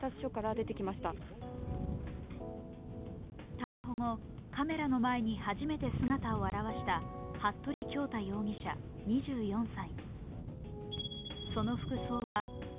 逮捕後カメラの前に初めて姿を現した服部恭太容疑者、２４歳。